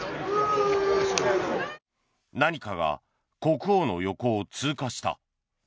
何かが国王の横を通過した。